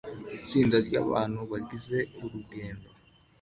Itsinda ryabantu bagize urugendo